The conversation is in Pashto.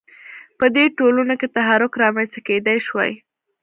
په دې ټولنو کې تحرک رامنځته کېدای شوای.